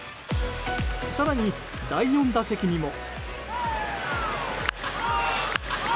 更に、第４打席にも。